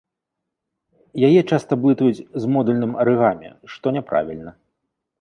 Яе часта блытаюць з модульным арыгамі, што няправільна.